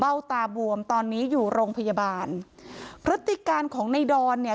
ตาบวมตอนนี้อยู่โรงพยาบาลพฤติการของในดอนเนี่ย